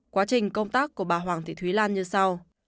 quá trình công tác của bà hoàng thị thúy lan như sau